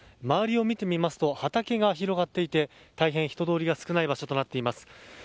周りを見てみますと畑が広がっていて大変、人通りが少ない場所となっています。